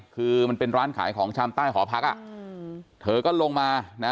คือมันเป็นร้านขายของชำใต้หอพักอ่ะอืมเธอก็ลงมานะ